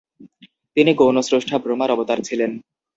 তিনি গৌণ স্রষ্টা ব্রহ্মার অবতার ছিলেন।